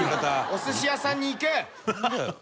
お寿司屋さんに行け！